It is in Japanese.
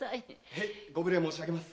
へいご無礼申し上げます。